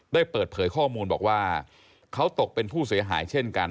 ได้เปิดเผยข้อมูลบอกว่าเขาตกเป็นผู้เสียหายเช่นกัน